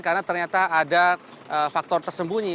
karena ternyata ada faktor tersembunyi